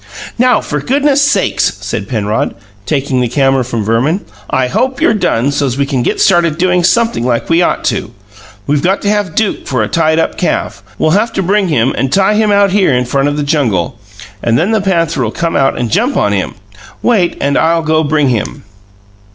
"Now, for goodnesses' sakes," said Penrod, taking the camera from Verman, "I hope you're done, so's we can get started doin something like we ought to! We got to have Duke for a tied up calf. We'll have to bring him and tie him out here in front the jungle, and then the panther'll come out and jump on him. Wait, and I'll go bring him."